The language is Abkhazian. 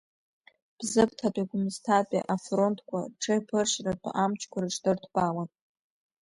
Бзыԥҭатәи, Гәымысҭатәи афронтқәа рҽеиԥыршьратәы амчқәа рыҽдырҭбаауан.